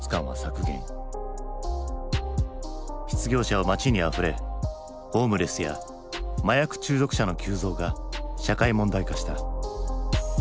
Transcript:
失業者は街にあふれホームレスや麻薬中毒者の急増が社会問題化した。